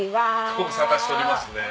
ご無沙汰しておりますね。